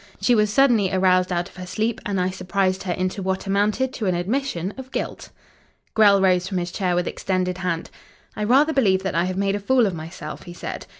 She was suddenly aroused out of her sleep, and I surprised her into what amounted to an admission of guilt." Grell rose from his chair with extended hand. "I rather believe that I have made a fool of myself," he said.